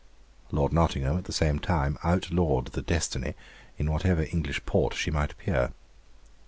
Lord Nottingham at the same time outlawed the 'Destiny' in whatever English port she might appear.